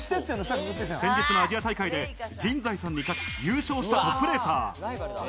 先日のアジア大会で陣在さんに勝ち、優勝したトップレーサー。